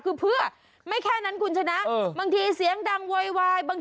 ทำให้มันมีเสียงดัง